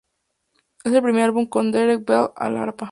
Es el primer álbum con Derek Bell al arpa